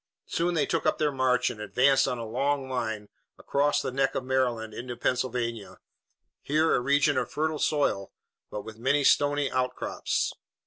Soon they took up their march and advanced on a long line across the neck of Maryland into Pennsylvania, here a region of fertile soil, but with many stony outcrops.